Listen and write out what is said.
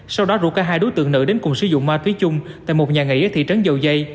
sau đó rủ cả hai đối tượng nữ đến cùng sử dụng ma túy chung tại một nhà nghỉ ở thị trấn dầu dây